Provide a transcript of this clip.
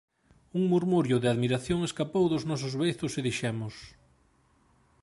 Un murmurio de admiración escapou dos nosos beizos e dixemos: